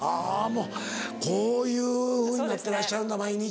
もうこういうふうになってらっしゃるんだ毎日。